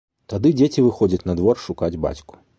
Тады дзеці выходзяць на двор шукаць бацьку.